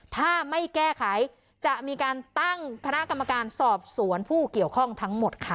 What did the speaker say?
ถ้าไม่แก้ไขจะมีการตั้งคณะกรรมการสอบสวนผู้เกี่ยวข้องทั้งหมดค่ะ